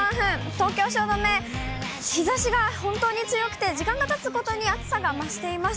東京・汐留、日ざしが本当に強くて、時間がたつごとに暑さが増しています。